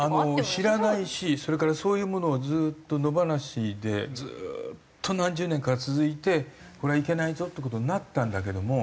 知らないしそれからそういうものがずっと野放しでずっと何十年か続いてこれはいけないぞって事になったんだけども。